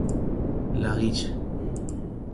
La Guiche